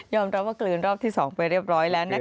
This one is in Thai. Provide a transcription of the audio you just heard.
รับว่ากลืนรอบที่๒ไปเรียบร้อยแล้วนะคะ